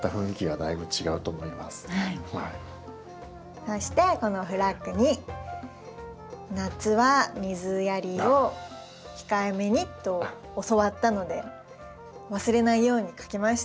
そしてこのフラッグに「夏は水やりを控えめに」と教わったので忘れないように書きました。